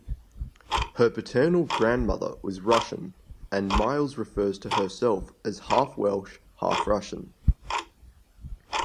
Her paternal grandmother was Russian, and Myles refers to herself as "half-Welsh, half-Russian".